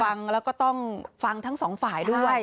ฟังแล้วก็ต้องฟังทั้งสองฝ่ายด้วย